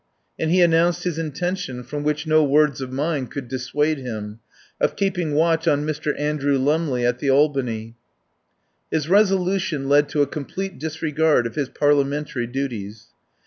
And he announced his intention, from which no words of mine could dissuade him, of keeping watch on Mr. Andrew Lumley at the Albany. His resolution led to a complete disregard of his Parliamentary duties.